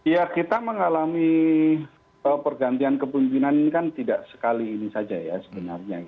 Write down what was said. ya kita mengalami pergantian kepemimpinan ini kan tidak sekali ini saja ya sebenarnya